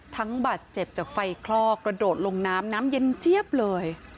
บาดเจ็บจากไฟคลอกกระโดดลงน้ำน้ำเย็นเจี๊ยบเลย